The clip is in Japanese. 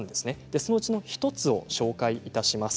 そのうちの１つをご紹介します。